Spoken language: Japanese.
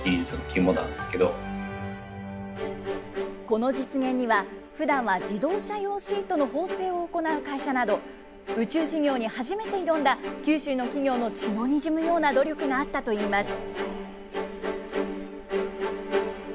この実現には、ふだんは自動車用シートの縫製を行う会社など、宇宙事業に初めて挑んだ九州の企業の血のにじむような努力があったといいます。